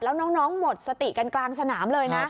แล้วน้องหมดสติกันกลางสนามเลยนะ